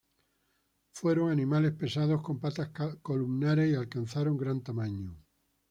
Fueron animales pesados con patas columnares y alcanzaron gran tamaño.